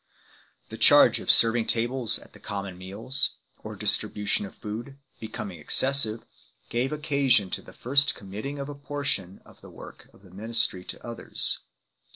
The charge of "serving tables," at the common meals or dis tribution of food, becoming excessive, gave occasion to the first committing of a portion of the work of the ministry to others.